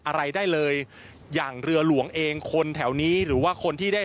อะไรได้เลยอย่างเรือหลวงเองคนแถวนี้หรือว่าคนที่ได้